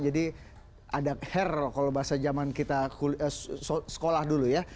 jadi ada her kalau bahasa zaman kita sekolah dulu ya